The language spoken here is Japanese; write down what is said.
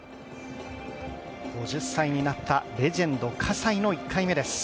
５０歳になったレジェンド・葛西の１回目です。